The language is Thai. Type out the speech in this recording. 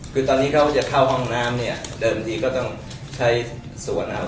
คือตอนนี้เขาจะเข้าห้องน้ำเนี่ยเดิมทีก็ต้องใช้สวนนะครับ